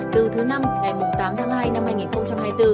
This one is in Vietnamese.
từ thứ năm ngày tám tháng hai năm hai nghìn hai mươi bốn